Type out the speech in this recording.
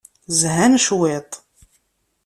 Zhan cwiṭ.